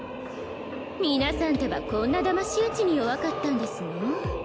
皆さんってばこんなだまし討ちに弱かったんですの？